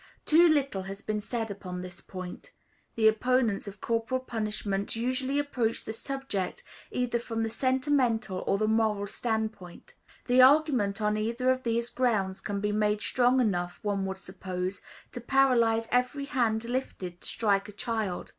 Too little has been said upon this point. The opponents of corporal punishment usually approach the subject either from the sentimental or the moral standpoint. The argument on either of these grounds can be made strong enough, one would suppose, to paralyze every hand lifted to strike a child.